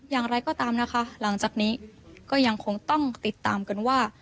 อย่างไรก็ตามนะคะหลังจากนี้ก็ยังคงต้องติดตามกันว่า